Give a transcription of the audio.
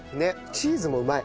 チーズもうまい。